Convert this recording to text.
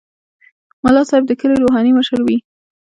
ملا صاحب د کلي روحاني مشر وي.